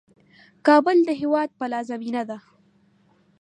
کابل د هیواد پلازمېنه ده.